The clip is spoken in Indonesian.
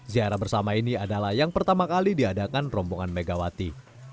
ziarah bersama ini adalah yang pertama kali diadakan rombongan megawati